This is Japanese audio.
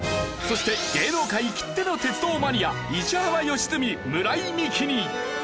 そして芸能界きっての鉄道マニア石原良純村井美樹に。